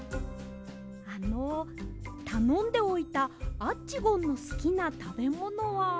あのたのんでおいたアッチゴンのすきなたべものは。